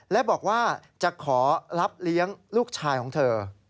และบอกว่าจะขอรับเลี้ยงลูกชายของเธอ